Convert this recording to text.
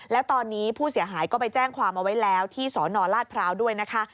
แล้วตอนนี้ผู้เสียหายก็ไปแจ้งความเอาไว้แล้วที่สนราชพร้าวด้วยนะคะ